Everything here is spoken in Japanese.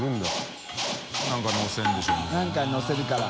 何か乗せるから。